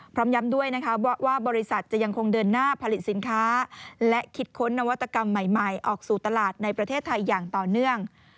พร้อมย้ำด้วยนะคะว่าบริษัทจะยังคงเดินหน้าผลิตสินค้าและคิดค้นนวัตกรรมใหม่ออกสู่ตลาดในประเทศไทยอย่างต่อเนื่อง